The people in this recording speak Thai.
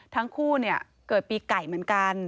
ทั้งคู่เกิดปีไก่เหมือนกัน